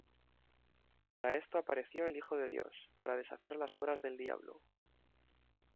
Para esto apareció el Hijo de Dios, para deshacer las obras del diablo.